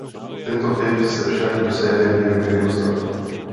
Tento typ se však do sériové výroby nedostal.